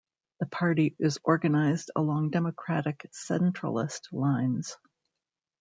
The party is organised along democratic centralist lines.